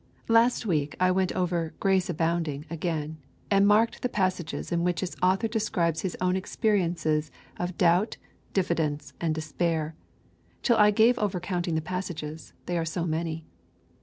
Last week I went over Grace Abounding again, and marked the passages in which its author describes his own experiences of doubt, diffidence, and despair, till I gave over counting the passages, they are so many.